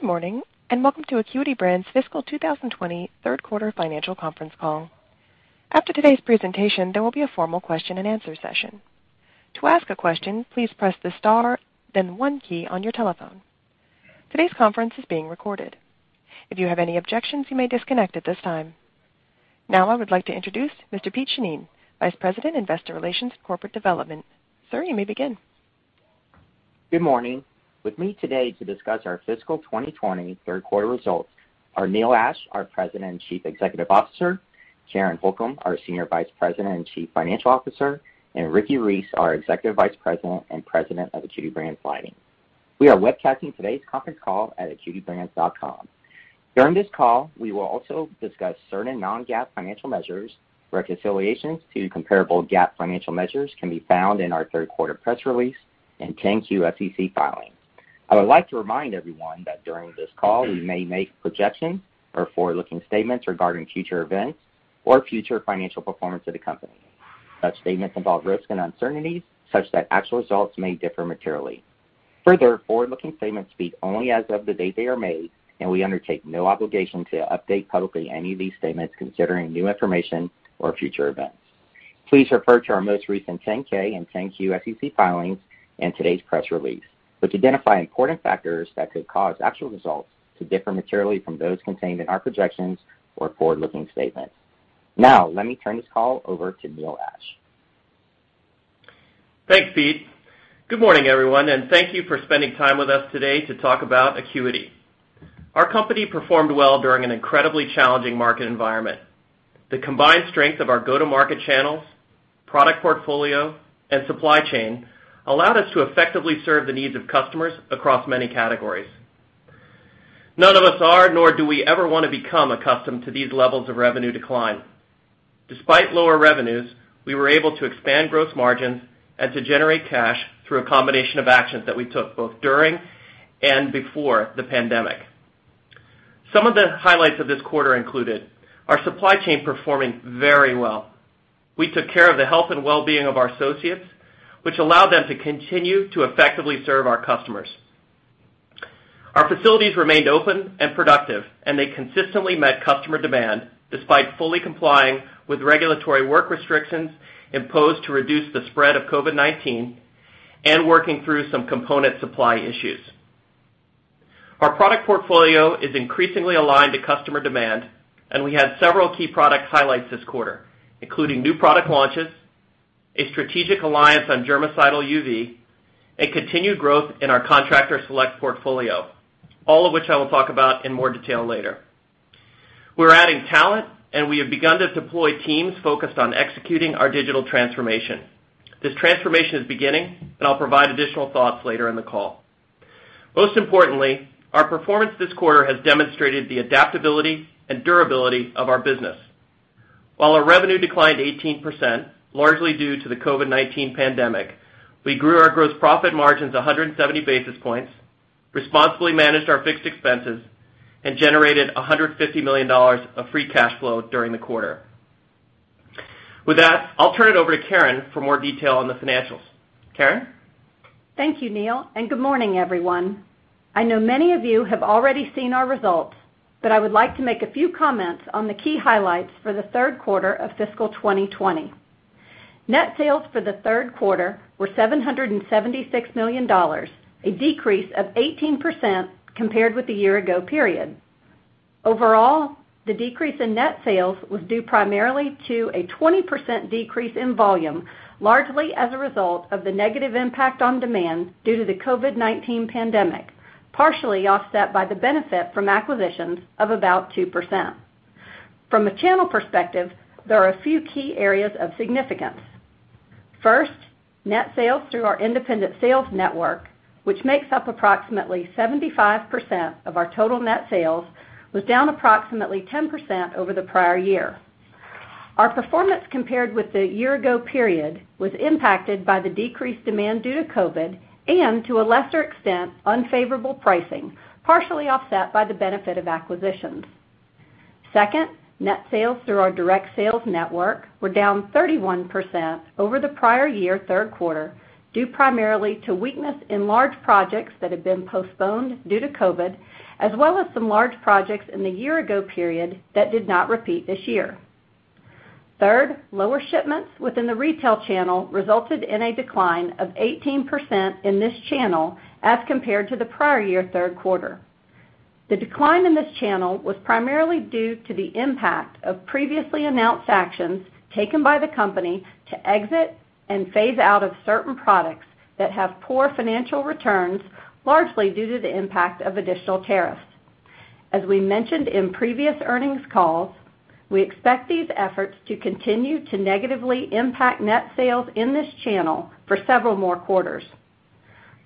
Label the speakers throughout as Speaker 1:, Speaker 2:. Speaker 1: Good morning, and welcome to Acuity Brands fiscal 2020 third quarter financial conference call. After today's presentation, there will be a formal question and answer session. To ask a question, please press the star, then the one key on your telephone. Today's conference is being recorded. If you have any objections, you may disconnect at this time. Now, I would like to introduce Mr. Pete Shannin, Vice President, Investor Relations and Corporate Development. Sir, you may begin.
Speaker 2: Good morning. With me today to discuss our fiscal 2020 third quarter results are Neil Ashe, our President and Chief Executive Officer, Karen Holcom, our Senior Vice President and Chief Financial Officer, and Ricky Reece, our Executive Vice President and President of Acuity Brands Lighting. We are webcasting today's conference call at acuitybrands.com. During this call, we will also discuss certain non-GAAP financial measures. Reconciliations to comparable GAAP financial measures can be found in our third quarter press release and 10-Q SEC filings. I would like to remind everyone that during this call, we may make projections or forward-looking statements regarding future events or future financial performance of the company. Such statements involve risks and uncertainties such that actual results may differ materially. Further, forward-looking statements speak only as of the date they are made, and we undertake no obligation to update publicly any of these statements considering new information or future events. Please refer to our most recent 10-K and 10-Q SEC filings and today's press release, which identify important factors that could cause actual results to differ materially from those contained in our projections or forward-looking statements. Now, let me turn this call over to Neil Ashe.
Speaker 3: Thanks, Pete. Good morning, everyone, and thank you for spending time with us today to talk about Acuity. Our company performed well during an incredibly challenging market environment. The combined strength of our go-to-market channels, product portfolio, and supply chain allowed us to effectively serve the needs of customers across many categories. None of us are, nor do we ever want to become accustomed to these levels of revenue decline. Despite lower revenues, we were able to expand gross margins and to generate cash through a combination of actions that we took both during and before the pandemic. Some of the highlights of this quarter included our supply chain performing very well. We took care of the health and wellbeing of our associates, which allowed them to continue to effectively serve our customers. Our facilities remained open and productive, and they consistently met customer demand, despite fully complying with regulatory work restrictions imposed to reduce the spread of COVID-19 and working through some component supply issues. Our product portfolio is increasingly aligned to customer demand, and we had several key product highlights this quarter, including new product launches, a strategic alliance on germicidal UV, and continued growth in our Contractor Select portfolio, all of which I will talk about in more detail later. We're adding talent, and we have begun to deploy teams focused on executing our digital transformation. This transformation is beginning, and I'll provide additional thoughts later in the call. Most importantly, our performance this quarter has demonstrated the adaptability and durability of our business. While our revenue declined 18%, largely due to the COVID-19 pandemic, we grew our gross profit margins 170 basis points, responsibly managed our fixed expenses, and generated $150 million of free cash flow during the quarter. With that, I'll turn it over to Karen for more detail on the financials. Karen?
Speaker 4: Thank you, Neil. Good morning, everyone. I know many of you have already seen our results, but I would like to make a few comments on the key highlights for the third quarter of fiscal 2020. Net sales for the third quarter were $776 million, a decrease of 18% compared with the year ago period. Overall, the decrease in net sales was due primarily to a 20% decrease in volume, largely as a result of the negative impact on demand due to the COVID-19 pandemic, partially offset by the benefit from acquisitions of about 2%. From a channel perspective, there are a few key areas of significance. First, net sales through our independent sales network, which makes up approximately 75% of our total net sales, was down approximately 10% over the prior year. Our performance compared with the year ago period was impacted by the decreased demand due to COVID and, to a lesser extent, unfavorable pricing, partially offset by the benefit of acquisitions. Second, net sales through our direct sales network were down 31% over the prior year third quarter, due primarily to weakness in large projects that had been postponed due to COVID, as well as some large projects in the year ago period that did not repeat this year. Third, lower shipments within the retail channel resulted in a decline of 18% in this channel as compared to the prior year third quarter. The decline in this channel was primarily due to the impact of previously announced actions taken by the company to exit and phase out of certain products that have poor financial returns, largely due to the impact of additional tariffs. As we mentioned in previous earnings calls, we expect these efforts to continue to negatively impact net sales in this channel for several more quarters.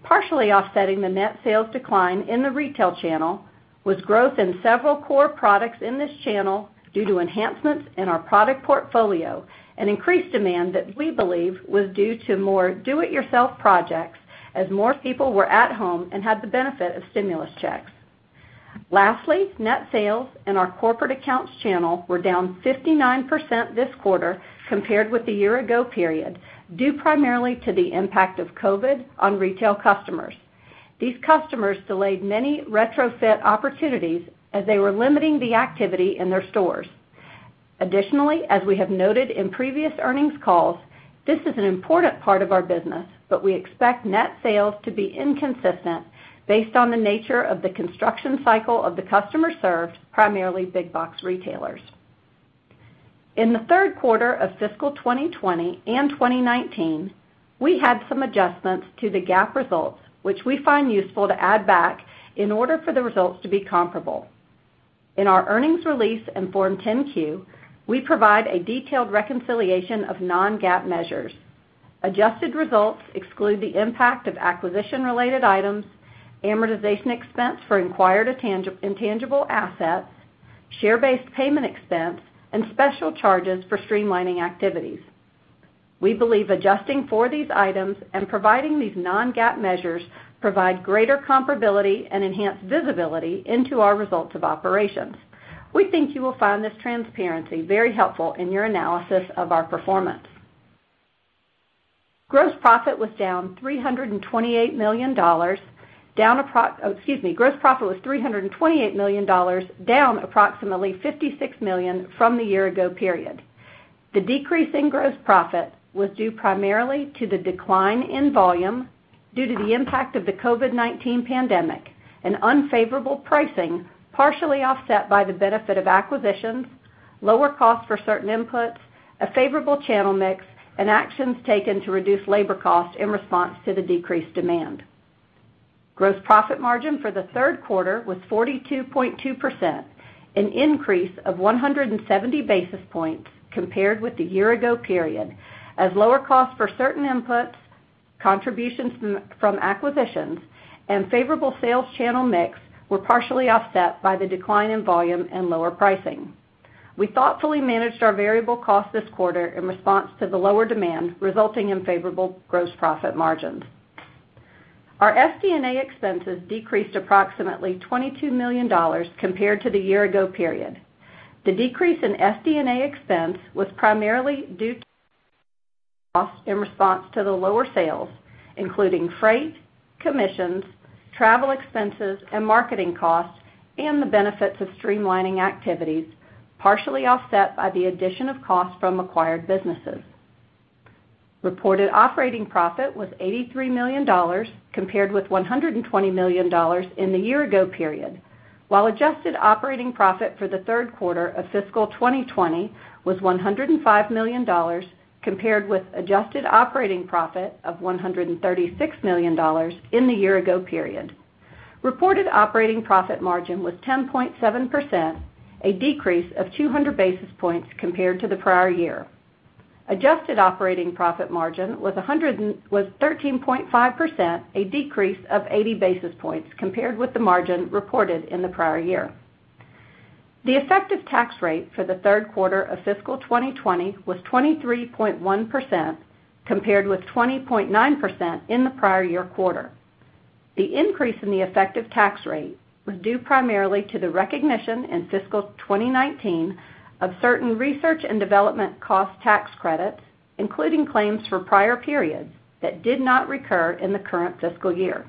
Speaker 4: Partially offsetting the net sales decline in the retail channel was growth in several core products in this channel due to enhancements in our product portfolio and increased demand that we believe was due to more do-it-yourself projects as more people were at home and had the benefit of stimulus checks. Lastly, net sales in our corporate accounts channel were down 59% this quarter compared with the year ago period, due primarily to the impact of COVID on retail customers. These customers delayed many retrofit opportunities as they were limiting the activity in their stores. Additionally, as we have noted in previous earnings calls, this is an important part of our business, but we expect net sales to be inconsistent based on the nature of the construction cycle of the customer served, primarily big box retailers. In the third quarter of fiscal 2020 and 2019, we had some adjustments to the GAAP results, which we find useful to add back in order for the results to be comparable. In our earnings release in Form 10-Q, we provide a detailed reconciliation of non-GAAP measures. Adjusted results exclude the impact of acquisition-related items, amortization expense for acquired intangible assets, share-based payment expense, and special charges for streamlining activities. We believe adjusting for these items and providing these non-GAAP measures provide greater comparability and enhance visibility into our results of operations. We think you will find this transparency very helpful in your analysis of our performance. Gross profit was $328 million, down approximately $56 million from the year ago period. The decrease in gross profit was due primarily to the decline in volume due to the impact of the COVID-19 pandemic and unfavorable pricing, partially offset by the benefit of acquisitions, lower costs for certain inputs, a favorable channel mix, and actions taken to reduce labor costs in response to the decreased demand. Gross profit margin for the third quarter was 42.2%, an increase of 170 basis points compared with the year ago period, as lower costs for certain inputs, contributions from acquisitions, and favorable sales channel mix were partially offset by the decline in volume and lower pricing. We thoughtfully managed our variable costs this quarter in response to the lower demand, resulting in favorable gross profit margins. Our SD&A expenses decreased approximately $22 million compared to the year ago period. The decrease in SD&A expense was primarily due to costs in response to the lower sales, including freight, commissions, travel expenses, and marketing costs, and the benefits of streamlining activities, partially offset by the addition of costs from acquired businesses. Reported operating profit was $83 million, compared with $120 million in the year ago period. While adjusted operating profit for the third quarter of fiscal 2020 was $105 million, compared with adjusted operating profit of $136 million in the year ago period. Reported operating profit margin was 10.7%, a decrease of 200 basis points compared to the prior year. Adjusted operating profit margin was 13.5%, a decrease of 80 basis points compared with the margin reported in the prior year. The effective tax rate for the third quarter of fiscal 2020 was 23.1%, compared with 20.9% in the prior year quarter. The increase in the effective tax rate was due primarily to the recognition in fiscal 2019 of certain research and development cost tax credits, including claims for prior periods that did not recur in the current fiscal year.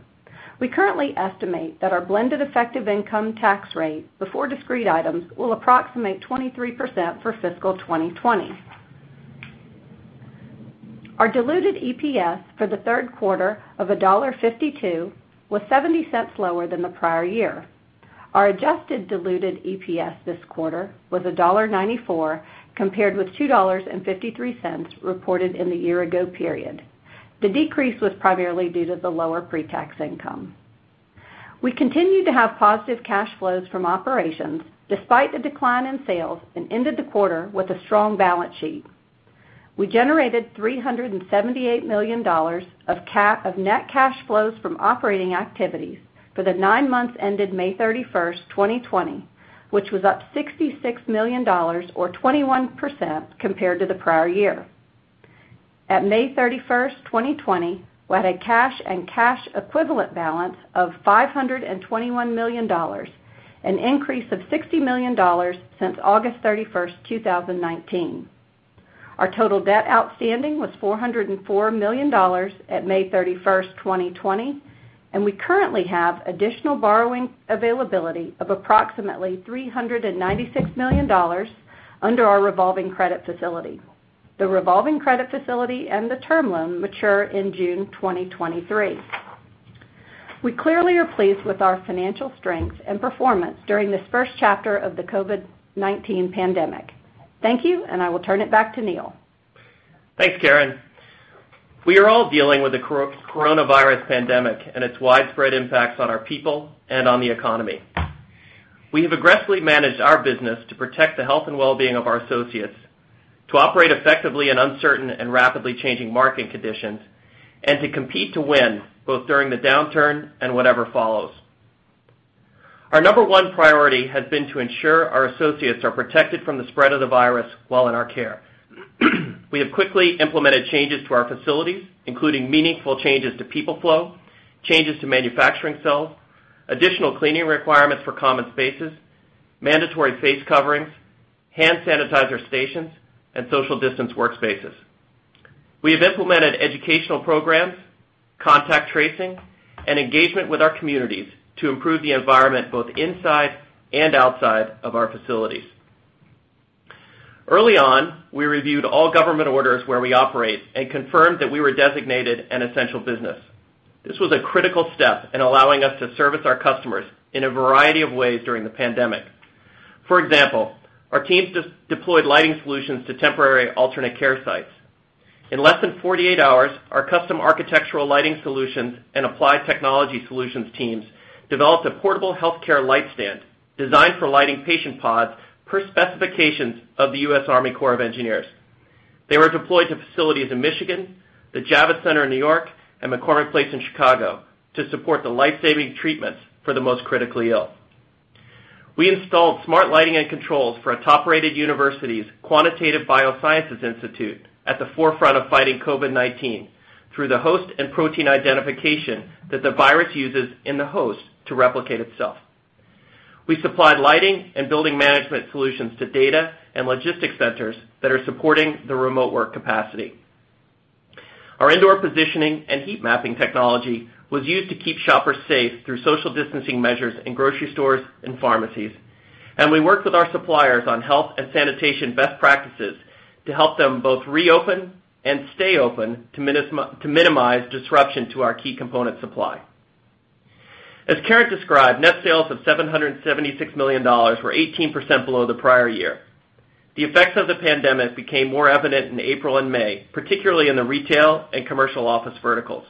Speaker 4: We currently estimate that our blended effective income tax rate before discrete items will approximate 23% for fiscal 2020. Our diluted EPS for the third quarter of $1.52 was $0.70 lower than the prior year. Our adjusted diluted EPS this quarter was $1.94, compared with $2.53 reported in the year-ago period. The decrease was primarily due to the lower pre-tax income. We continue to have positive cash flows from operations despite the decline in sales and ended the quarter with a strong balance sheet. We generated $378 million of net cash flows from operating activities for the nine months ended May 31st, 2020, which was up $66 million or 21% compared to the prior year. At May 31st, 2020, we had a cash and cash equivalent balance of $521 million, an increase of $60 million since August 31st, 2019. Our total debt outstanding was $404 million at May 31st, 2020, and we currently have additional borrowing availability of approximately $396 million under our revolving credit facility. The revolving credit facility and the term loan mature in June 2023. We clearly are pleased with our financial strength and performance during this first chapter of the COVID-19 pandemic. Thank you, and I will turn it back to Neil.
Speaker 3: Thanks, Karen. We are all dealing with the coronavirus pandemic and its widespread impacts on our people and on the economy. We have aggressively managed our business to protect the health and well-being of our associates, to operate effectively in uncertain and rapidly changing market conditions, and to compete to win, both during the downturn and whatever follows. Our number one priority has been to ensure our associates are protected from the spread of the virus while in our care. We have quickly implemented changes to our facilities, including meaningful changes to people flow, changes to manufacturing cells, additional cleaning requirements for common spaces, mandatory face coverings, hand sanitizer stations, and social distance workspaces. We have implemented educational programs, contact tracing, and engagement with our communities to improve the environment both inside and outside of our facilities. Early on, we reviewed all government orders where we operate and confirmed that we were designated an essential business. This was a critical step in allowing us to service our customers in a variety of ways during the pandemic. For example, our teams deployed lighting solutions to temporary alternate care sites. In less than 48 hours, our custom architectural lighting solutions and applied technology solutions teams developed a portable healthcare light stand designed for lighting patient pods per specifications of the U.S. Army Corps of Engineers. They were deployed to facilities in Michigan, the Javits Center in New York, and McCormick Place in Chicago to support the life-saving treatments for the most critically ill. We installed smart lighting and controls for a top-rated university's Quantitative Biosciences Institute at the forefront of fighting COVID-19 through the host and protein identification that the virus uses in the host to replicate itself. We supplied lighting and building management solutions to data and logistics centers that are supporting the remote work capacity. Our indoor positioning and heat mapping technology was used to keep shoppers safe through social distancing measures in grocery stores and pharmacies, and we worked with our suppliers on health and sanitation best practices to help them both reopen and stay open to minimize disruption to our key component supply. As Karen described, net sales of $776 million were 18% below the prior year. The effects of the pandemic became more evident in April and May, particularly in the retail and commercial office verticals.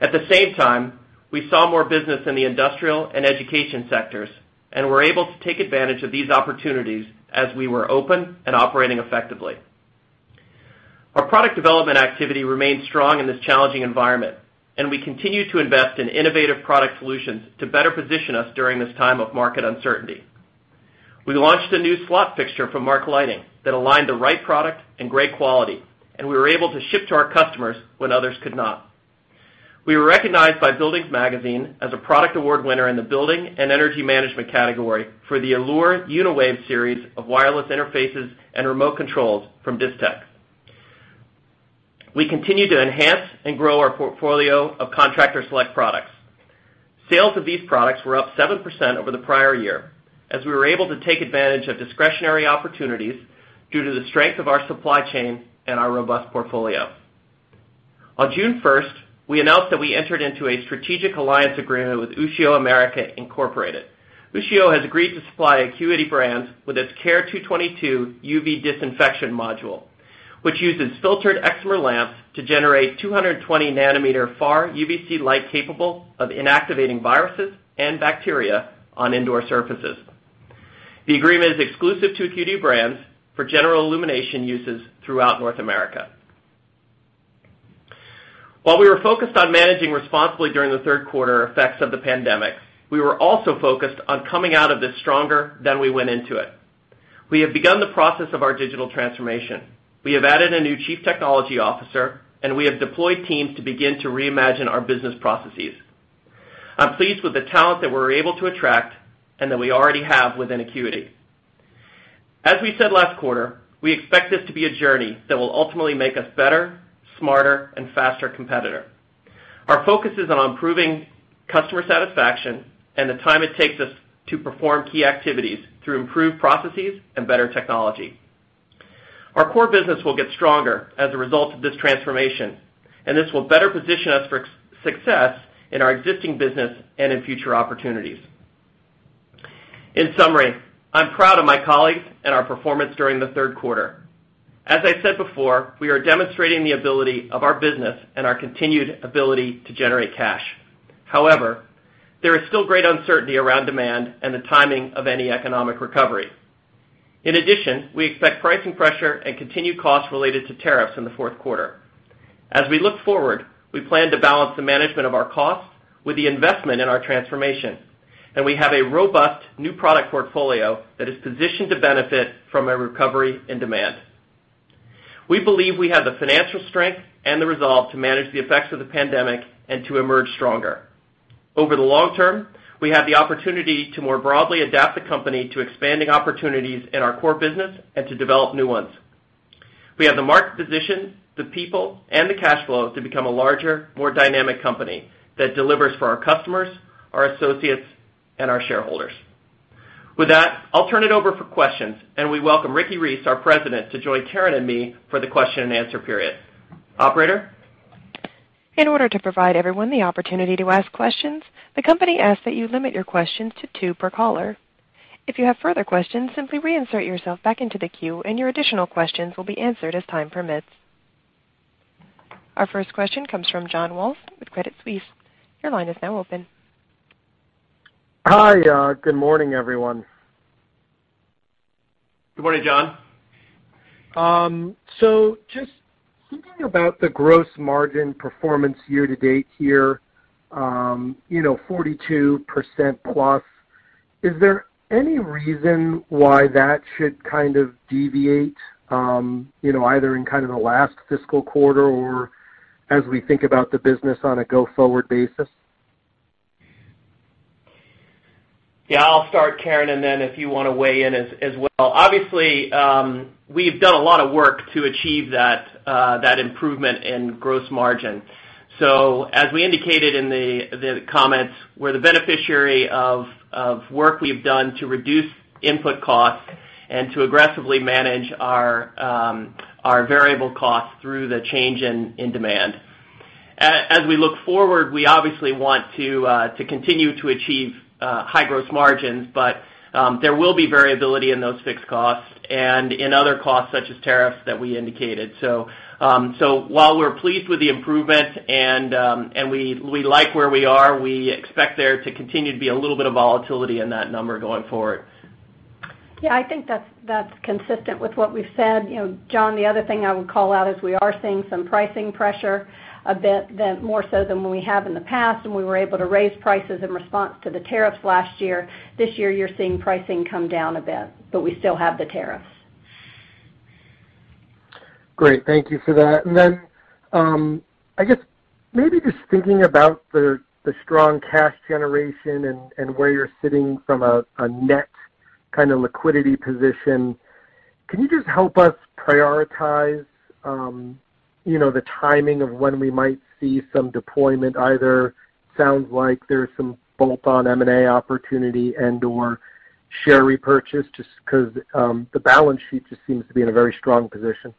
Speaker 3: At the same time, we saw more business in the industrial and education sectors and were able to take advantage of these opportunities as we were open and operating effectively. Our product development activity remained strong in this challenging environment, and we continue to invest in innovative product solutions to better position us during this time of market uncertainty. We launched a new slot fixture from Mark Lighting that aligned the right product and great quality, and we were able to ship to our customers when others could not. We were recognized by BUILDINGS Magazine as a product award winner in the building and energy management category for the Allure UNIWAVE series of wireless interfaces and remote controls from Distech. We continue to enhance and grow our portfolio of Contractor Select products. Sales of these products were up 7% over the prior year, as we were able to take advantage of discretionary opportunities due to the strength of our supply chain and our robust portfolio. On June 1st, we announced that we entered into a strategic alliance agreement with Ushio America, Inc. Ushio has agreed to supply Acuity Brands with its Care222 UV disinfection module, which uses filtered excimer lamps to generate 220 nm far UVC light capable of inactivating viruses and bacteria on indoor surfaces. The agreement is exclusive to Acuity Brands for general illumination uses throughout North America. While we were focused on managing responsibly during the third quarter effects of the pandemic, we were also focused on coming out of this stronger than we went into it. We have begun the process of our digital transformation. We have added a new Chief Technology Officer, and we have deployed teams to begin to reimagine our business processes. I'm pleased with the talent that we're able to attract and that we already have within Acuity. As we said last quarter, we expect this to be a journey that will ultimately make us better, smarter, and faster competitor. Our focus is on improving customer satisfaction and the time it takes us to perform key activities through improved processes and better technology. Our core business will get stronger as a result of this transformation, and this will better position us for success in our existing business and in future opportunities. In summary, I'm proud of my colleagues and our performance during the third quarter. As I said before, we are demonstrating the ability of our business and our continued ability to generate cash. However, there is still great uncertainty around demand and the timing of any economic recovery. In addition, we expect pricing pressure and continued costs related to tariffs in the fourth quarter. As we look forward, we plan to balance the management of our costs with the investment in our transformation, and we have a robust new product portfolio that is positioned to benefit from a recovery in demand. We believe we have the financial strength and the resolve to manage the effects of the pandemic and to emerge stronger. Over the long term, we have the opportunity to more broadly adapt the company to expanding opportunities in our core business and to develop new ones. We have the market position, the people, and the cash flow to become a larger, more dynamic company that delivers for our customers, our associates, and our shareholders. With that, I'll turn it over for questions, and we welcome Ricky Reece, our President, to join Karen and me for the question and answer period. Operator?
Speaker 1: In order to provide everyone the opportunity to ask questions, the company asks that you limit your questions to two per caller. If you have further questions, simply reinsert yourself back into the queue, and your additional questions will be answered as time permits. Our first question comes from John Walsh with Credit Suisse. Your line is now open.
Speaker 5: Good morning everyone.
Speaker 3: Good morning, John.
Speaker 5: Just thinking about the gross margin performance year-to-date here, 42%+. Is there any reason why that should kind of deviate, either in kind of the last fiscal quarter or as we think about the business on a go-forward basis?
Speaker 3: I'll start, Karen, and then if you want to weigh in as well. Obviously, we've done a lot of work to achieve that improvement in gross margin. As we indicated in the comments, we're the beneficiary of work we've done to reduce input costs and to aggressively manage our variable costs through the change in demand. As we look forward, we obviously want to continue to achieve high gross margins, but there will be variability in those fixed costs and in other costs such as tariffs that we indicated. While we're pleased with the improvement and we like where we are, we expect there to continue to be a little bit of volatility in that number going forward.
Speaker 4: Yeah, I think that's consistent with what we've said. John, the other thing I would call out is we are seeing some pricing pressure a bit more so than we have in the past, and we were able to raise prices in response to the tariffs last year. This year, you're seeing pricing come down a bit, but we still have the tariffs.
Speaker 5: Great. Thank you for that. I guess maybe just thinking about the strong cash generation and where you're sitting from a net kind of liquidity position, can you just help us prioritize the timing of when we might see some deployment, either sounds like there's some bolt-on M&A opportunity and/or share repurchase, just because the balance sheet just seems to be in a very strong position?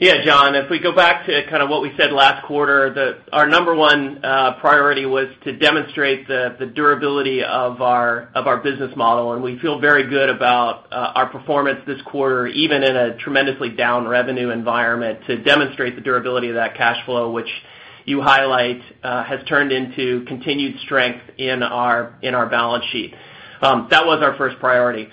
Speaker 3: John, if we go back to kind of what we said last quarter, our number one priority was to demonstrate the durability of our business model, and we feel very good about our performance this quarter, even in a tremendously down revenue environment, to demonstrate the durability of that cash flow, which you highlight has turned into continued strength in our balance sheet. That was our first priority.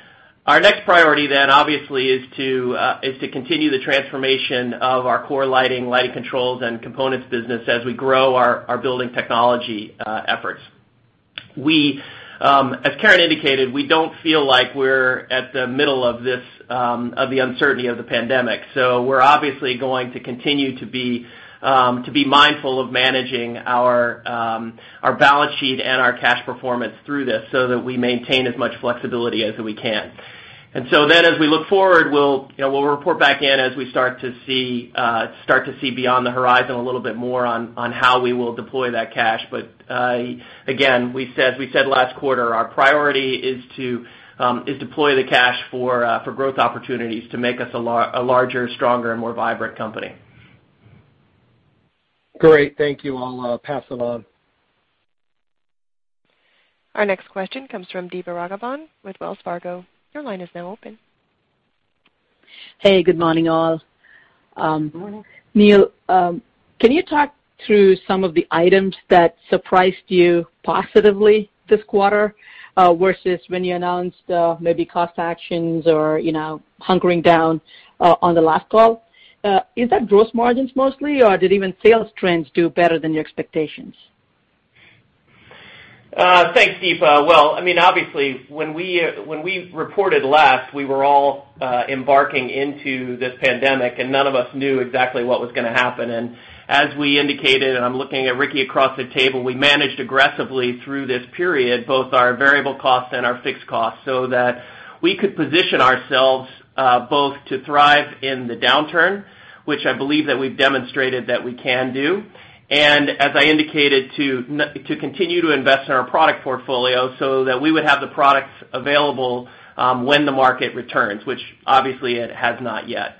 Speaker 3: Our next priority then obviously is to continue the transformation of our core lighting controls, and components business as we grow our building technology efforts. As Karen indicated, we don't feel like we're at the middle of the uncertainty of the pandemic. We're obviously going to continue to be mindful of managing our balance sheet and our cash performance through this so that we maintain as much flexibility as we can. As we look forward, we'll report back in as we start to see beyond the horizon a little bit more on how we will deploy that cash. Again, as we said last quarter, our priority is to deploy the cash for growth opportunities to make us a larger, stronger, and more vibrant company.
Speaker 5: Great. Thank you. I'll pass it on.
Speaker 1: Our next question comes from Deepa Raghavan with Wells Fargo. Your line is now open.
Speaker 6: Hey, good morning, all.
Speaker 4: Good morning.
Speaker 6: Neil, can you talk through some of the items that surprised you positively this quarter, versus when you announced maybe cost actions or hunkering down on the last call? Is that gross margins mostly, or did even sales trends do better than your expectations?
Speaker 3: Thanks, Deepa. Well, obviously, when we reported last, we were all embarking into this pandemic, and none of us knew exactly what was going to happen. As we indicated, I'm looking at Ricky across the table, we managed aggressively through this period, both our variable costs and our fixed costs, so that we could position ourselves both to thrive in the downturn, which I believe that we've demonstrated that we can do, and as I indicated, to continue to invest in our product portfolio so that we would have the products available when the market returns, which obviously it has not yet.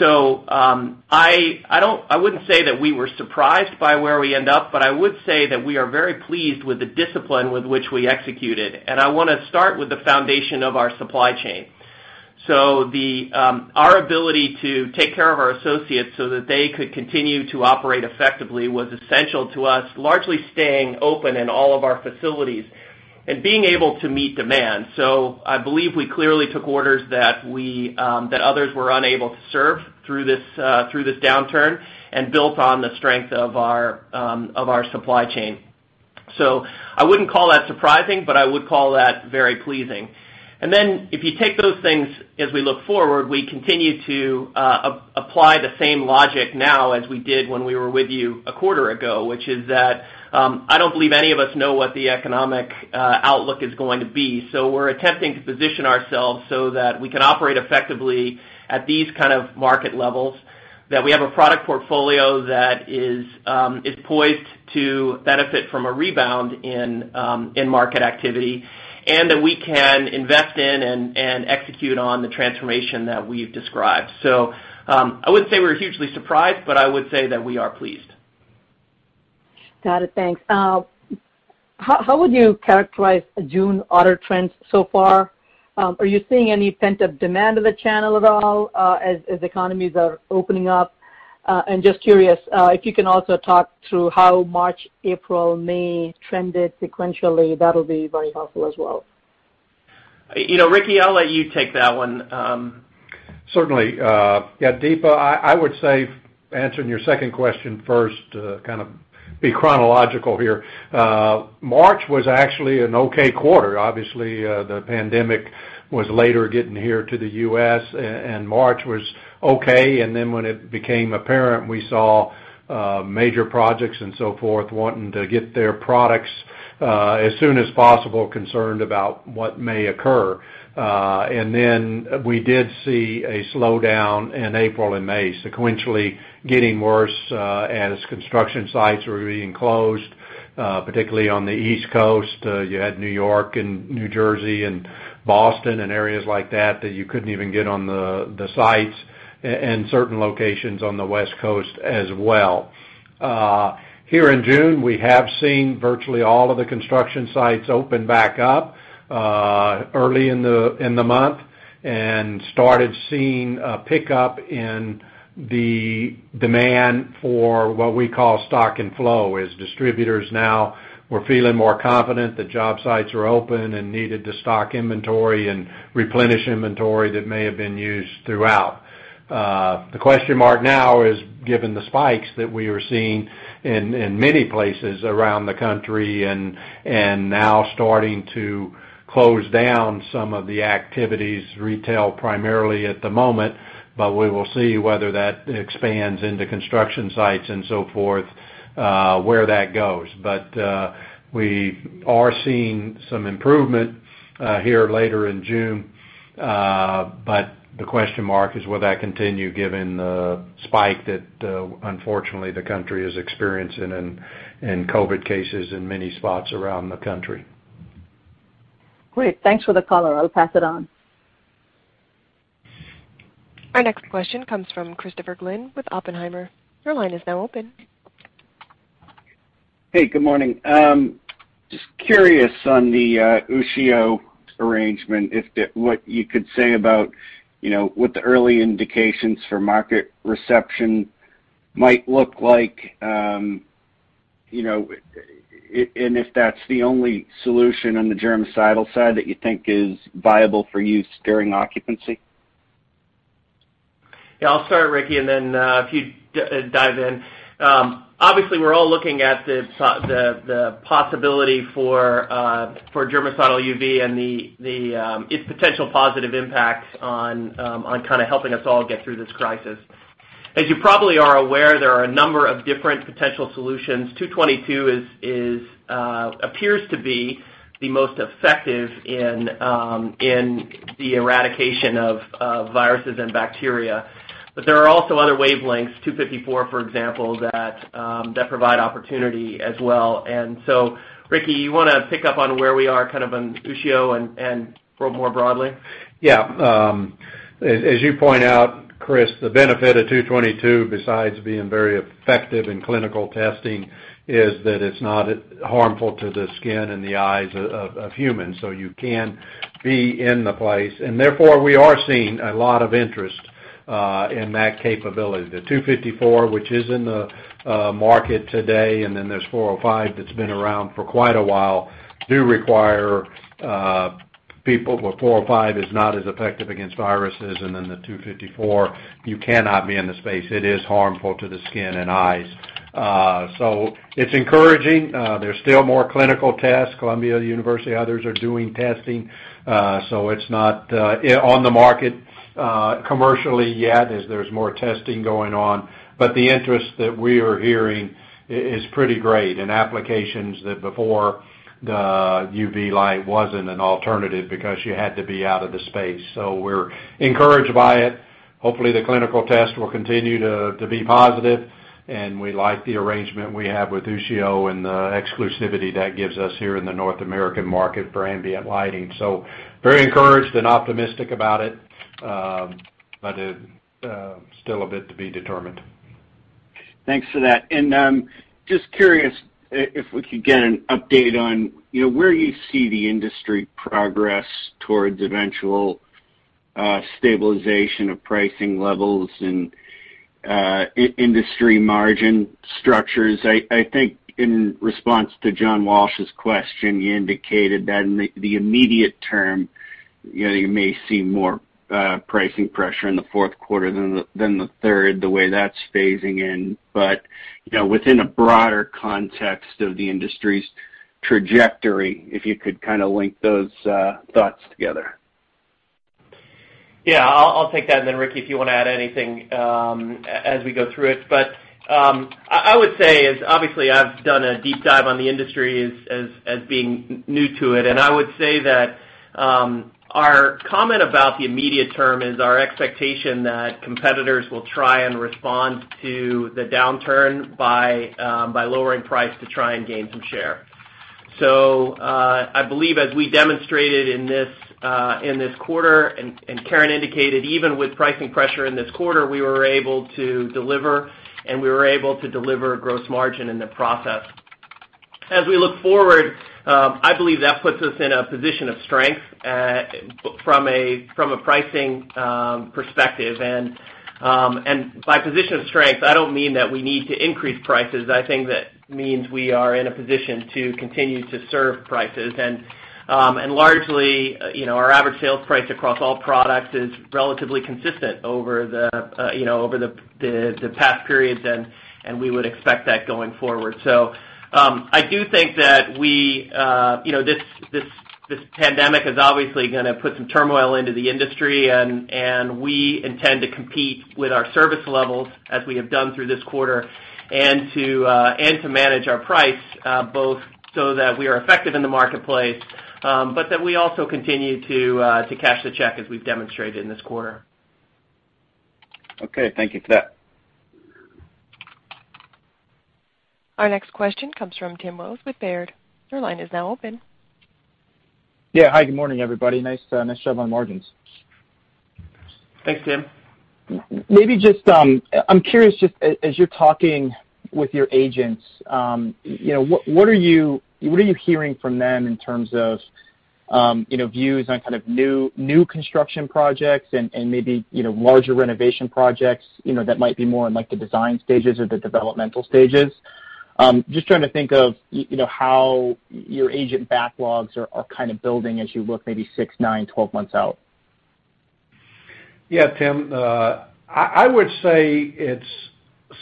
Speaker 3: I wouldn't say that we were surprised by where we end up, but I would say that we are very pleased with the discipline with which we executed, and I want to start with the foundation of our supply chain. Our ability to take care of our associates so that they could continue to operate effectively was essential to us largely staying open in all of our facilities and being able to meet demand. I believe we clearly took orders that others were unable to serve through this downturn and built on the strength of our supply chain. I wouldn't call that surprising, but I would call that very pleasing. If you take those things as we look forward, we continue to apply the same logic now as we did when we were with you a quarter ago, which is that I don't believe any of us know what the economic outlook is going to be. We're attempting to position ourselves so that we can operate effectively at these kind of market levels, that we have a product portfolio that is poised to benefit from a rebound in market activity, and that we can invest in and execute on the transformation that we've described. I wouldn't say we're hugely surprised, but I would say that we are pleased.
Speaker 6: Got it. Thanks. How would you characterize June order trends so far? Are you seeing any pent-up demand of the channel at all as economies are opening up? Just curious if you can also talk through how March, April, May trended sequentially, that'll be very helpful as well.
Speaker 3: Ricky, I'll let you take that one.
Speaker 7: Certainly. Yeah, Deepa, I would say, answering your second question first to kind of be chronological here. March was actually an okay quarter. Obviously, the pandemic was later getting here to the U.S., and March was okay, and then when it became apparent, we saw major projects and so forth wanting to get their products as soon as possible, concerned about what may occur. We did see a slowdown in April and May, sequentially getting worse as construction sites were being closed, particularly on the East Coast. You had New York and New Jersey and Boston and areas like that you couldn't even get on the sites, and certain locations on the West Coast as well. Here in June, we have seen virtually all of the construction sites open back up early in the month and started seeing a pickup in the demand for what we call stock and flow, as distributors now were feeling more confident that job sites were open and needed to stock inventory and replenish inventory that may have been used throughout. The question mark now is, given the spikes that we are seeing in many places around the country and now starting to close down some of the activities, retail primarily at the moment, but we will see whether that expands into construction sites and so forth, where that goes. We are seeing some improvement here later in June. The question mark is, will that continue given the spike that unfortunately the country is experiencing in COVID cases in many spots around the country?
Speaker 6: Great. Thanks for the color. I'll pass it on.
Speaker 1: Our next question comes from Christopher Glynn with Oppenheimer. Your line is now open.
Speaker 8: Hey, good morning. Just curious on the Ushio arrangement, what you could say about what the early indications for market reception might look like, and if that's the only solution on the germicidal side that you think is viable for use during occupancy?
Speaker 3: Yeah, I'll start, Ricky, and then if you'd dive in. Obviously, we're all looking at the possibility for germicidal UV and its potential positive impacts on kind of helping us all get through this crisis. As you probably are aware, there are a number of different potential solutions. 222 nm appears to be the most effective in the eradication of viruses and bacteria. There are also other wavelengths, 254 nm, for example, that provide opportunity as well. Ricky, you want to pick up on where we are kind of on Ushio and more broadly?
Speaker 7: Yeah. As you point out, Chris, the benefit of 222 nm, besides being very effective in clinical testing, is that it's not harmful to the skin and the eyes of humans, so you can be in the place. Therefore, we are seeing a lot of interest in that capability. The 254 nm, which is in the market today, and then there's 405 nm that's been around for quite a while, do require people, where 405 nm is not as effective against viruses, and then the 254 nm, you cannot be in the space. It is harmful to the skin and eyes. It's encouraging. There's still more clinical tests. Columbia University, others are doing testing. It's not on the market commercially yet, as there's more testing going on. The interest that we are hearing is pretty great in applications that before the UV light wasn't an alternative because you had to be out of the space. We're encouraged by it. Hopefully, the clinical tests will continue to be positive. We like the arrangement we have with Ushio and the exclusivity that gives us here in the North American market for ambient lighting. We are very encouraged and optimistic about it. It's still a bit to be determined.
Speaker 8: Thanks for that. Just curious if we could get an update on where you see the industry progress towards eventual stabilization of pricing levels and industry margin structures? I think in response to John Walsh's question, you indicated that in the immediate term, you may see more pricing pressure in the fourth quarter than the third, the way that's phasing in. Within a broader context of the industry's trajectory, if you could kind of link those thoughts together?
Speaker 3: Yeah, I'll take that, and then Ricky, if you want to add anything as we go through it. I would say is, obviously, I've done a deep dive on the industry as being new to it, and I would say that our comment about the immediate term is our expectation that competitors will try and respond to the downturn by lowering price to try and gain some share. I believe as we demonstrated in this quarter, and Karen indicated, even with pricing pressure in this quarter, we were able to deliver, and we were able to deliver gross margin in the process. As we look forward, I believe that puts us in a position of strength from a pricing perspective. By position of strength, I don't mean that we need to increase prices. I think that means we are in a position to continue to serve prices. Largely, our average sales price across all products is relatively consistent over the past periods, and we would expect that going forward. I do think that this pandemic is obviously going to put some turmoil into the industry, and we intend to compete with our service levels as we have done through this quarter and to manage our price, both so that we are effective in the marketplace, but that we also continue to cash the check as we've demonstrated in this quarter.
Speaker 8: Okay. Thank you for that.
Speaker 1: Our next question comes from Tim Wojs with Baird. Your line is now open.
Speaker 9: Yeah. Hi, good morning, everybody. Nice job on margins.
Speaker 3: Thanks, Tim.
Speaker 9: I'm curious, just as you're talking with your agents, what are you hearing from them in terms of views on kind of new construction projects and maybe larger renovation projects that might be more in like the design stages or the developmental stages? Just trying to think of how your agent backlogs are kind of building as you look maybe six, nine, 12 months out.
Speaker 7: Yeah, Tim. I would say it's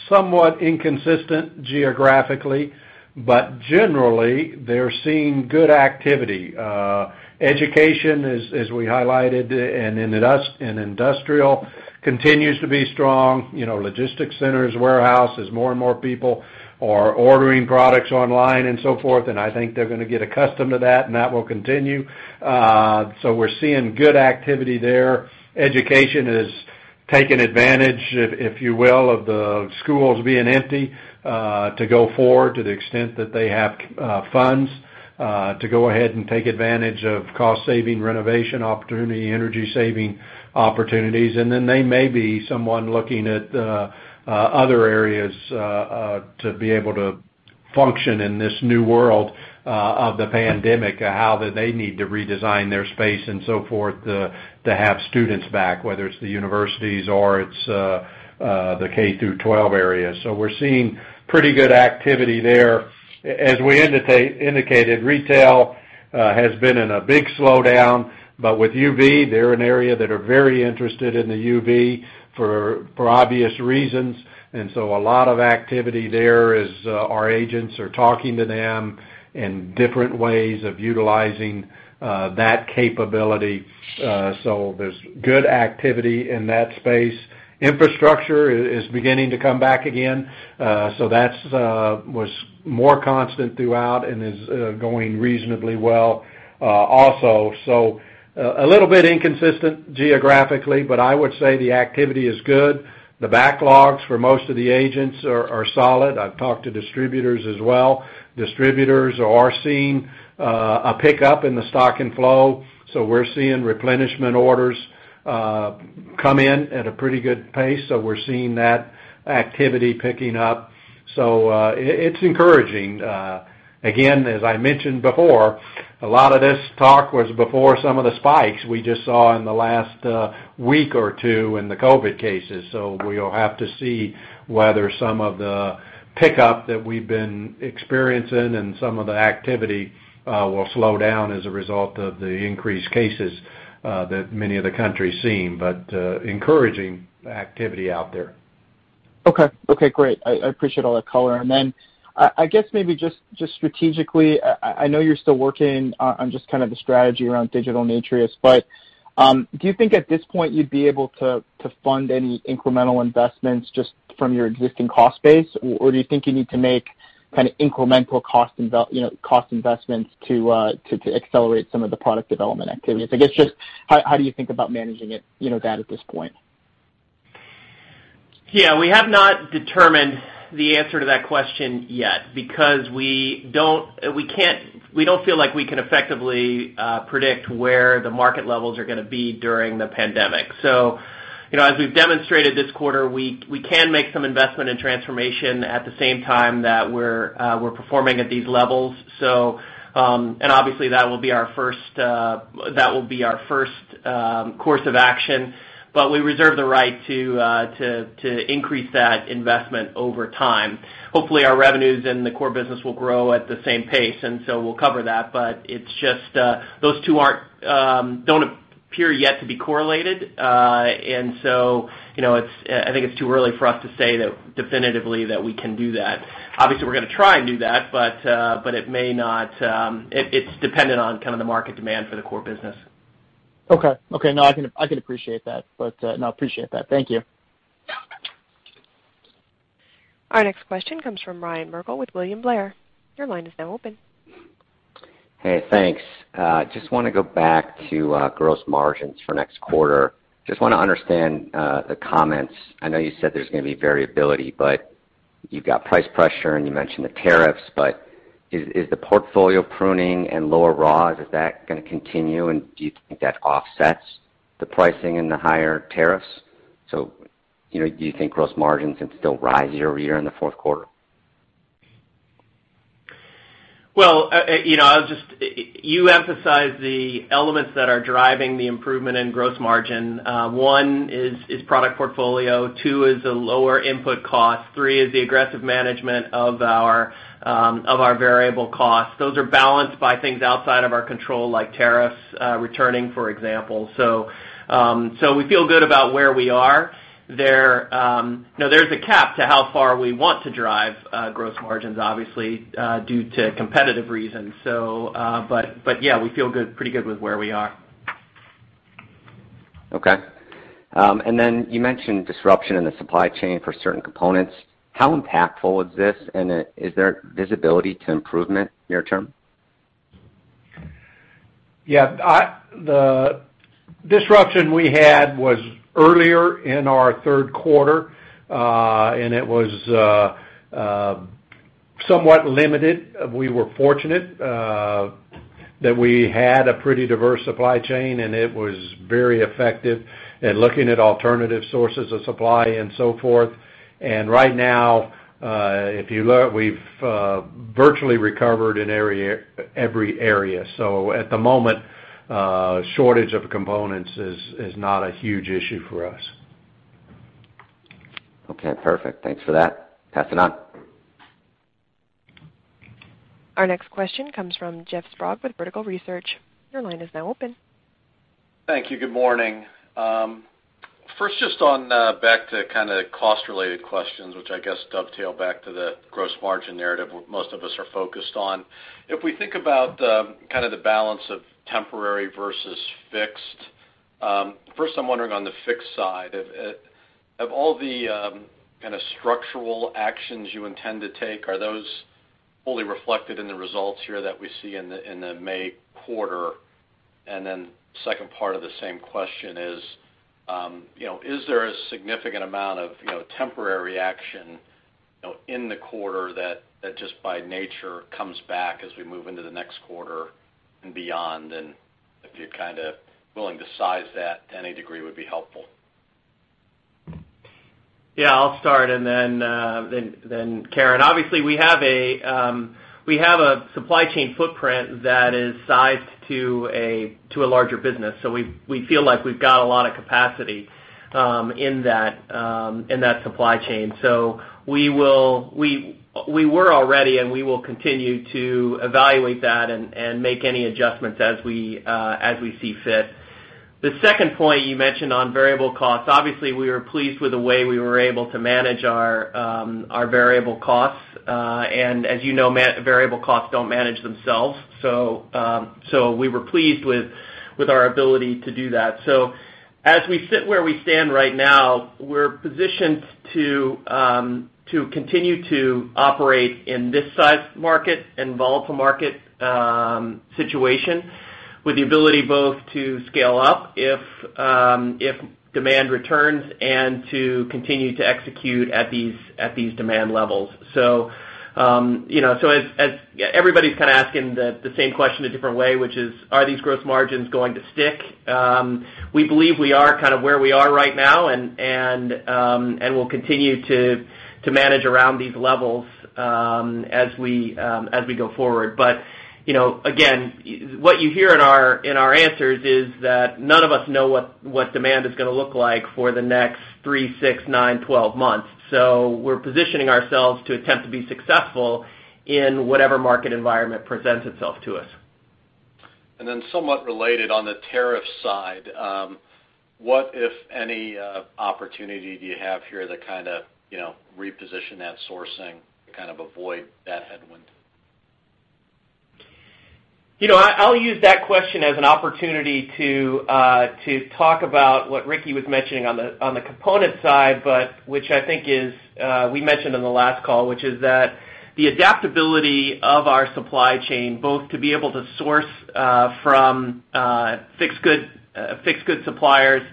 Speaker 7: somewhat inconsistent geographically, but generally, they're seeing good activity. Education, as we highlighted, and industrial continues to be strong. Logistics centers, warehouses, more and more people are ordering products online and so forth, and I think they're going to get accustomed to that, and that will continue. We're seeing good activity there. Education is taking advantage, if you will, of the schools being empty to go forward to the extent that they have funds to go ahead and take advantage of cost saving renovation opportunity, energy saving opportunities, and then they may be someone looking at other areas to be able to function in this new world of the pandemic, how they need to redesign their space and so forth to have students back, whether it's the universities or it's the K-12 area. We're seeing pretty good activity there. As we indicated, retail has been in a big slowdown. With UV, they're an area that are very interested in the UV for obvious reasons. A lot of activity there as our agents are talking to them and different ways of utilizing that capability. There's good activity in that space. Infrastructure is beginning to come back again. That was more constant throughout and is going reasonably well also. A little bit inconsistent geographically, but I would say the activity is good. The backlogs for most of the agents are solid. I've talked to distributors as well. Distributors are seeing a pickup in the stock and flow. We're seeing replenishment orders come in at a pretty good pace. We're seeing that activity picking up. It's encouraging. Again, as I mentioned before, a lot of this talk was before some of the spikes we just saw in the last week or two in the COVID cases. We'll have to see whether some of the pickup that we've been experiencing and some of the activity will slow down as a result of the increased cases that many of the countries seem, but encouraging activity out there.
Speaker 9: Okay. Great. I appreciate all that color. I guess maybe just strategically, I know you're still working on just kind of the strategy around digital and Atrius, but do you think at this point you'd be able to fund any incremental investments just from your existing cost base, or do you think you need to make kind of incremental cost investments to accelerate some of the product development activities? I guess just how do you think about managing that at this point?
Speaker 3: Yeah. We have not determined the answer to that question yet because we don't feel like we can effectively predict where the market levels are going to be during the pandemic. As we've demonstrated this quarter, we can make some investment in transformation at the same time that we're performing at these levels. Obviously, that will be our first course of action, but we reserve the right to increase that investment over time. Hopefully, our revenues and the core business will grow at the same pace, and we'll cover that. Those two don't appear yet to be correlated. I think it's too early for us to say definitively that we can do that. Obviously, we're going to try and do that, but it's dependent on kind of the market demand for the core business.
Speaker 9: Okay. No, I can appreciate that. Thank you.
Speaker 1: Our next question comes from Ryan Merkel with William Blair. Your line is now open.
Speaker 10: Hey, thanks. I just want to go back to gross margins for next quarter. I just want to understand the comments. I know you said there's going to be variability, but you've got price pressure, and you mentioned the tariffs. Is the portfolio pruning and lower raws, is that going to continue? Do you think that offsets the pricing and the higher tariffs? Do you think gross margins can still rise year-over-year in the fourth quarter?
Speaker 3: Well, you emphasized the elements that are driving the improvement in gross margin. One is product portfolio, two is the lower input cost, three is the aggressive management of our variable costs. Those are balanced by things outside of our control, like tariffs returning, for example. We feel good about where we are. There's a cap to how far we want to drive gross margins, obviously, due to competitive reasons. Yeah, we feel pretty good with where we are.
Speaker 10: Okay. You mentioned disruption in the supply chain for certain components. How impactful is this, and is there visibility to improvement near-term?
Speaker 7: Yeah. The disruption we had was earlier in our third quarter, and it was somewhat limited. We were fortunate that we had a pretty diverse supply chain, and it was very effective in looking at alternative sources of supply and so forth. Right now, we've virtually recovered in every area. At the moment, shortage of components is not a huge issue for us.
Speaker 10: Okay, perfect. Thanks for that. Pass it on.
Speaker 1: Our next question comes from Jeff Sprague with Vertical Research. Your line is now open.
Speaker 11: Thank you. Good morning. First, just on back to kind of cost-related questions, which I guess dovetail back to the gross margin narrative, what most of us are focused on. If we think about kind of the balance of temporary versus fixed, first I'm wondering on the fixed side, of all the kind of structural actions you intend to take, are those fully reflected in the results here that we see in the May quarter? Second part of the same question is, is there a significant amount of temporary action in the quarter that just by nature comes back as we move into the next quarter and beyond? If you're kind of willing to size that to any degree would be helpful.
Speaker 3: Yeah, I'll start and then Karen. Obviously, we have a supply chain footprint that is sized to a larger business. We feel like we've got a lot of capacity in that supply chain. We were all ready, and we will continue to evaluate that and make any adjustments as we see fit. The second point you mentioned on variable costs, obviously, we were pleased with the way we were able to manage our variable costs. As you know, variable costs don't manage themselves. We were pleased with our ability to do that. As we sit where we stand right now, we're positioned to continue to operate in this size market and volatile market situation with the ability both to scale up if demand returns and to continue to execute at these demand levels. Everybody's kind of asking the same question a different way, which is, are these gross margins going to stick? We believe we are kind of where we are right now, and we'll continue to manage around these levels as we go forward. Again, what you hear in our answers is that none of us know what demand is going to look like for the next three, six, nine, 12 months. We're positioning ourselves to attempt to be successful in whatever market environment presents itself to us.
Speaker 11: Somewhat related on the tariff side, what if any opportunity do you have here to kind of reposition that sourcing to kind of avoid that headwind?
Speaker 3: I'll use that question as an opportunity to talk about what Ricky was mentioning on the component side, but which I think is, we mentioned on the last call, which is that the adaptability of our supply chain, both to be able to source from finished good suppliers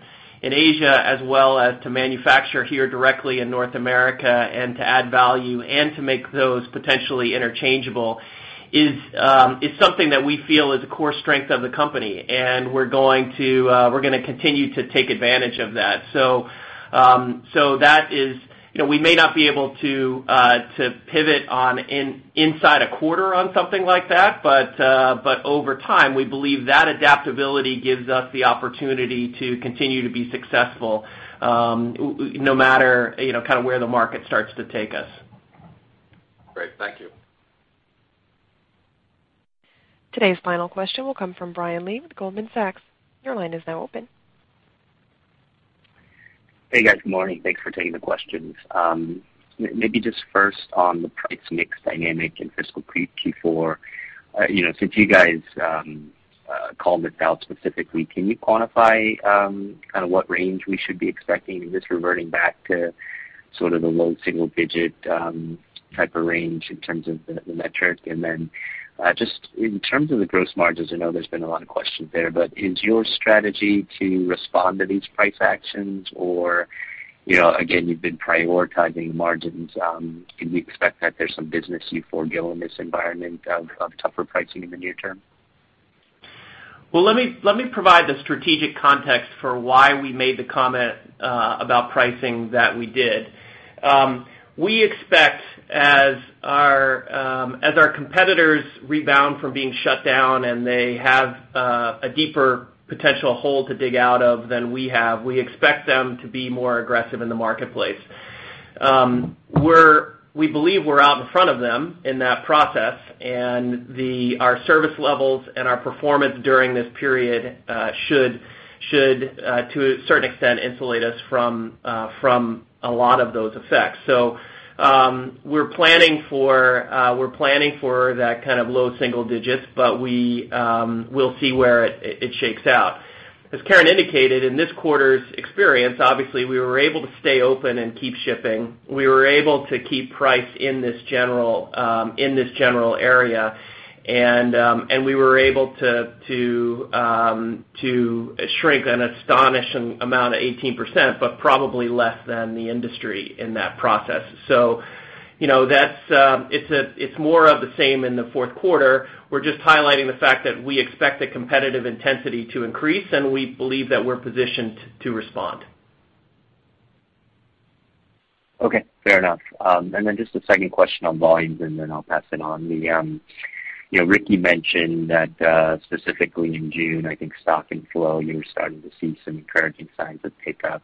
Speaker 3: in Asia as well as to manufacture here directly in North America and to add value and to make those potentially interchangeable is something that we feel is a core strength of the company. We're going to continue to take advantage of that. We may not be able to pivot inside a quarter on something like that, but, over time, we believe that adaptability gives us the opportunity to continue to be successful no matter where the market starts to take us.
Speaker 11: Great. Thank you.
Speaker 1: Today's final question will come from Brian Lee with Goldman Sachs. Your line is now open.
Speaker 12: Hey, guys. Good morning. Thanks for taking the questions. First on the price mix dynamic in fiscal Q4. Since you guys called it out specifically, can you quantify kind of what range we should be expecting? Is this reverting back to sort of the low single digit type of range in terms of the metric? Just in terms of the gross margins, I know there's been a lot of questions there, but is your strategy to respond to these price actions? Again, you've been prioritizing margins. Can we expect that there's some business you forego in this environment of tougher pricing in the near term?
Speaker 3: Well, let me provide the strategic context for why we made the comment about pricing that we did. We expect, as our competitors rebound from being shut down and they have a deeper potential hole to dig out of than we have, we expect them to be more aggressive in the marketplace. We believe we're out in front of them in that process, and our service levels and our performance during this period should, to a certain extent, insulate us from a lot of those effects. We're planning for that kind of low single digits, but we'll see where it shakes out. As Karen indicated, in this quarter's experience, obviously, we were able to stay open and keep shipping. We were able to keep price in this general area, and we were able to shrink an astonishing amount of 18%, but probably less than the industry in that process. It's more of the same in the fourth quarter. We're just highlighting the fact that we expect the competitive intensity to increase, and we believe that we're positioned to respond.
Speaker 12: Okay, fair enough. Just a second question on volumes, and then I'll pass it on. Ricky mentioned that specifically in June, I think stock and flow, you were starting to see some encouraging signs of pickup.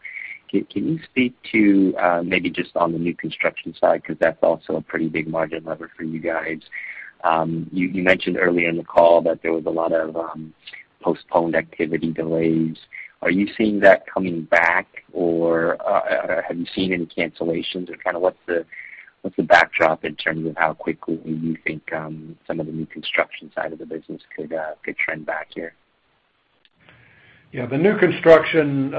Speaker 12: Can you speak to maybe just on the new construction side? Because that's also a pretty big margin lever for you guys. You mentioned early in the call that there was a lot of postponed activity delays. Are you seeing that coming back, or have you seen any cancellations, or kind of what's the backdrop in terms of how quickly you think some of the new construction side of the business could trend back here?
Speaker 7: Yeah, the new construction,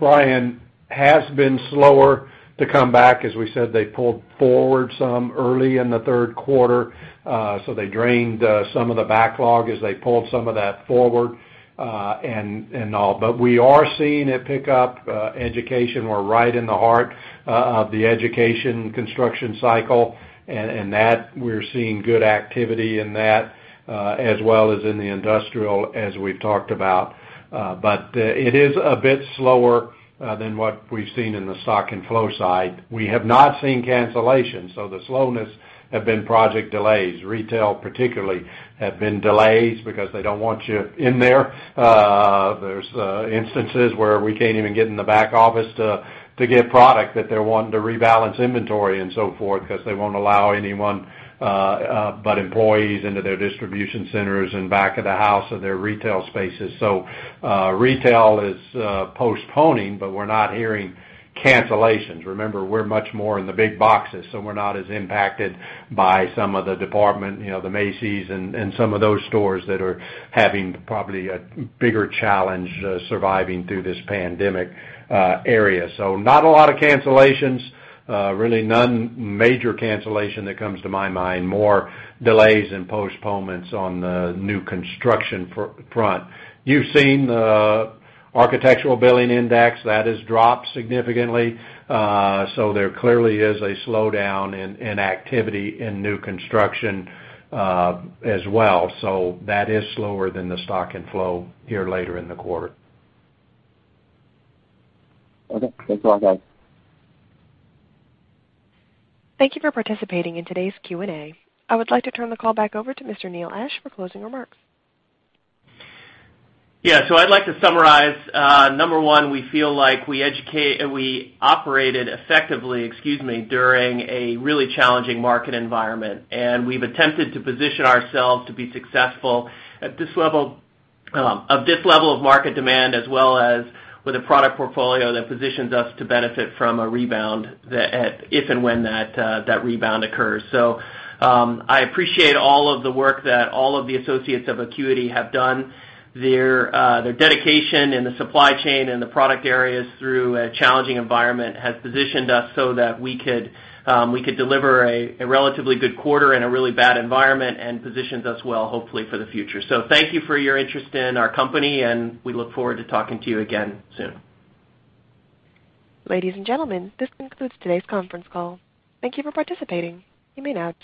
Speaker 7: Brian, has been slower to come back. As we said, they pulled forward some early in the third quarter. They drained some of the backlog as they pulled some of that forward. We are seeing it pick up. Education, we're right in the heart of the education construction cycle, and we're seeing good activity in that, as well as in the industrial, as we've talked about. It is a bit slower than what we've seen in the stock and flow side. We have not seen cancellations, the slowness have been project delays. Retail particularly have been delays because they don't want you in there. There's instances where we can't even get in the back office to get product that they're wanting to rebalance inventory and so forth because they won't allow anyone but employees into their distribution centers and back of the house of their retail spaces. Retail is postponing, but we're not hearing cancellations. Remember, we're much more in the big boxes, so we're not as impacted by some of the department, the Macy's and some of those stores that are having probably a bigger challenge surviving through this pandemic area. Not a lot of cancellations, really none major cancellation that comes to my mind. More delays and postponements on the new construction front. You've seen the Architecture Billings Index. That has dropped significantly. There clearly is a slowdown in activity in new construction as well. That is slower than the stock and flow here later in the quarter.
Speaker 12: Okay. Thanks a lot, guys.
Speaker 1: Thank you for participating in today's Q&A. I would like to turn the call back over to Mr. Neil Ashe for closing remarks.
Speaker 3: I'd like to summarize. Number one, we feel like we operated effectively, excuse me, during a really challenging market environment, and we've attempted to position ourselves to be successful of this level of market demand as well as with a product portfolio that positions us to benefit from a rebound, if and when that rebound occurs. I appreciate all of the work that all of the associates of Acuity have done. Their dedication in the supply chain and the product areas through a challenging environment has positioned us so that we could deliver a relatively good quarter in a really bad environment and positions us well, hopefully, for the future. Thank you for your interest in our company, and we look forward to talking to you again soon.
Speaker 1: Ladies and gentlemen, this concludes today's conference call. Thank you for participating. You may now disconnect.